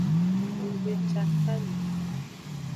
Nggbecakami o.